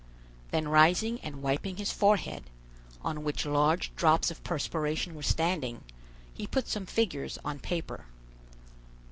Then rising and wiping his forehead, on which large drops of perspiration were standing, he put some figures on paper.